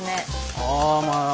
あまあ